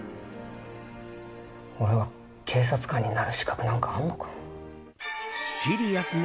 俺は警察官になる資格なんかあるのかな。